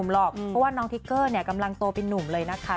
เพราะว่าน้องขึ้นในกำลังโตไปหนุ่มเลยนะคะ